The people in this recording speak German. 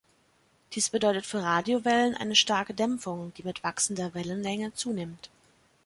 Dies bedeutet für Radiowellen eine starke Dämpfung, die mit wachsender Wellenlänge zunimmt.